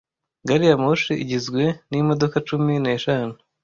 Gari ya moshi igizwe n'imodoka cumi n'eshanu.